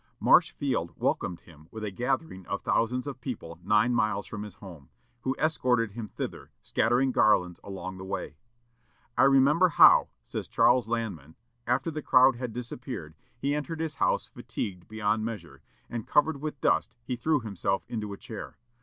Marshfield welcomed him with a gathering of thousands of people nine miles from his home, who escorted him thither, scattering garlands along the way. "I remember how," says Charles Lanman, "after the crowd had disappeared, he entered his house fatigued beyond measure, and covered with dust, and threw himself into a chair.